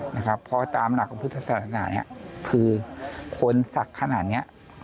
เพราะตามหลักของพฤษฎาษณะนี้คือคนศักดิ์ขนาดนี้